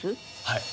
はい。